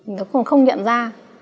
nó còn không nhận ra